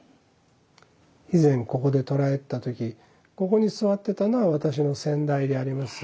以前ここで撮られた時ここに座ってたのは私の先代であります